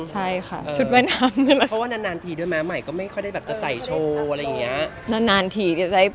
ได้ค่ะชุดเวนด์วาลัยหน้านานทีมรึไว้ด้วยเนี่ยใหม่ว่าไม่จะไส่โซฯ่อะไรอย่างงี้